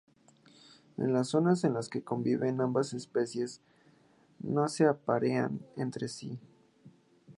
En las zonas en las que conviven ambas especies, no se aparean entre sí.